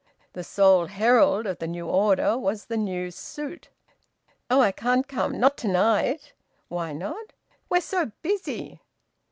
The sole herald of the new order was the new suit. "Oh! I can't come not to night." "Why not?" "We're so busy."